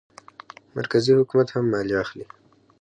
مرکزي حکومت هم مالیه اخلي.